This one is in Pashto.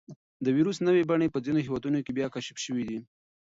د وېروس نوې بڼې په ځینو هېوادونو کې بیا کشف شوي دي.